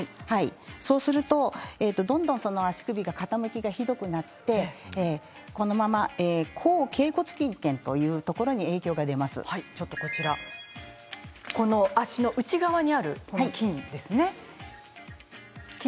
そうするとどんどん足首の傾きがひどくなってこのままいくと後けい骨筋けんというところに足の内側にある筋肉ですね。